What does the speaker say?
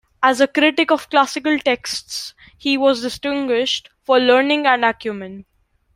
As a critic of classical texts he was distinguished for learning and acumen.